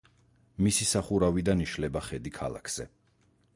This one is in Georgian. მისი სახურავიდან იშლება ხედი ქალაქზე.